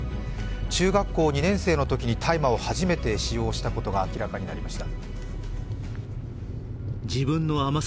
中学校２年生のときに大麻を初めて使用したことが明らかになりました。